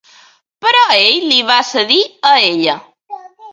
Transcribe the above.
Però ell li va cedir a ella.